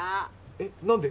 えっ何で？